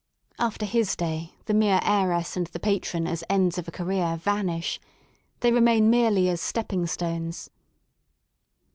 After his day the mere heiress and the patron as ends of a career vanish. They remain merely as stepping stones.